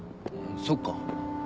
そっか。